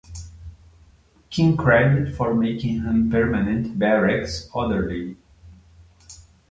King credit for making him permanent barracks orderly.